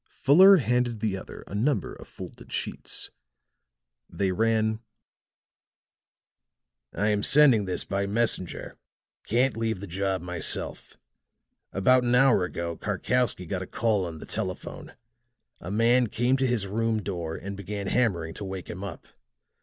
Fuller handed the other a number of folded sheets. They ran: "I am sending this by messenger. Can't leave the job myself. About an hour ago Karkowsky got a call on the telephone. A man came to his room door and began hammering to wake him up.